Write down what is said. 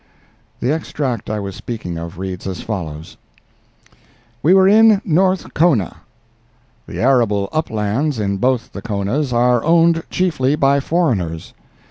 The extract I was speaking of reads as follows: "We were in North Kona. The arable uplands in both the Konas are owned chiefly by foreigners.